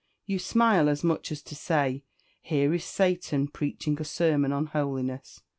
You smile, as much as to say, Here is Satan preaching a sermon on holiness.